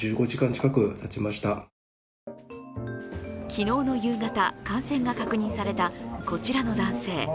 昨日の夕方、感染が確認されたこちらの男性。